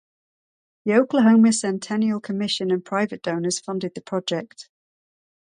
The Oklahoma Centennial Commission and private donors funded the project.